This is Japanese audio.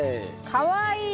かわいい。